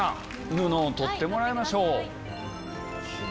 布を取ってもらいましょう。